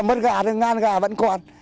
mất gà thì ngàn gà vẫn còn